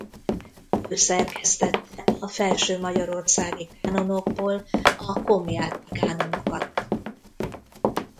Ő szerkesztette a felsőmagyarországi kánonokból a komjáti kánonokat.